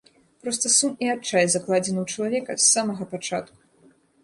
Проста сум і адчай закладзены ў чалавеку з самага пачатку.